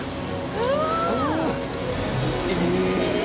うわ！